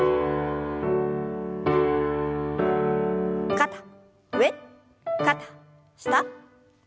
肩上肩下。